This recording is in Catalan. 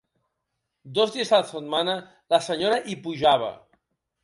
Dos dies a la setmana la senyora hi pujava